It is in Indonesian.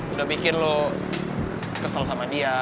udah bikin lo kesel sama dia